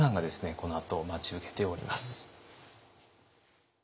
このあと待ち受けております。